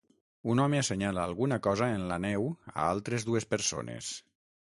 Un home assenyala alguna cosa en la neu a altres dues persones